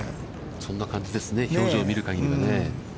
そんな感じですね、表情を見る限りはね。